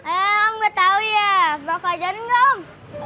eh om gak tau ya bapak aja nih ga om